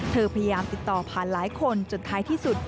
พยายามติดต่อผ่านหลายคนจนท้ายที่สุด